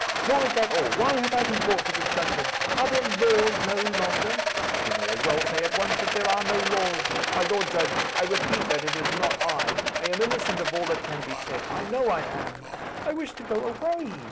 Nor is that all. Why have I been brought into this dungeon? Are there laws no longer? You may as well say at once that there are no laws. My Lord Judge, I repeat that it is not I. I am innocent of all that can be said. I know I am. I wish to go away.